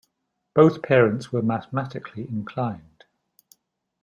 Both parents were mathematically inclined.